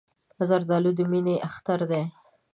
زردالو د مینې اختر دی.